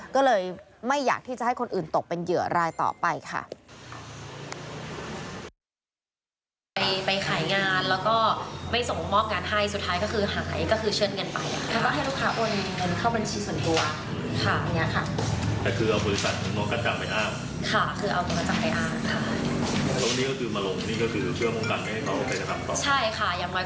ก็เลยไม่อยากที่จะให้คนอื่นตกเป็นเหยื่อรายต่อไปค่ะ